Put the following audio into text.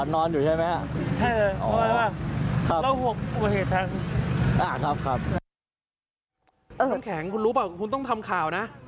น้ำแข็งคุณรู้ป่ะคุณต้องทำข่าวนะ